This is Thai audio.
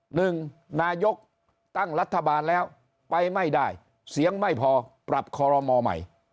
หนึ่งนายกตั้งรัฐบาลแล้วไปไม่ได้เสียงไม่พอปรับคอรมอใหม่